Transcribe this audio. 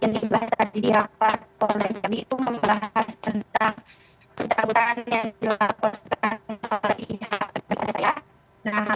yang dibahas tadi di laporan kondek jambi itu membahas tentang keterabutannya di laporan kondek jambi pak